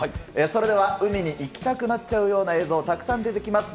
それでは海に行きたくなっちゃうような映像、たくさん出てきます。